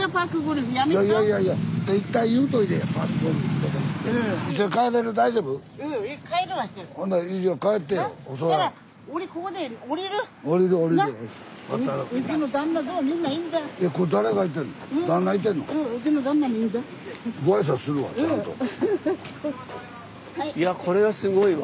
スタジオいやこれはすごいわ。